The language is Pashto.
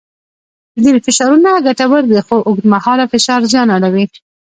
ځینې فشارونه ګټور دي خو اوږدمهاله فشار زیان اړوي.